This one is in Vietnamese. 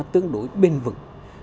tương đối bền vững